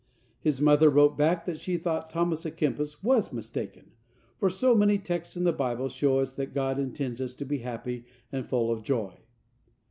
His mother wrote back that she thought Thomas à Kempis was mistaken, for so many texts in the Bible show us that God intends us to be happy and full of joy.